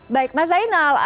baik mbak zainal